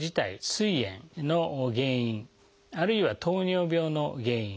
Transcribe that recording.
すい炎の原因あるいは糖尿病の原因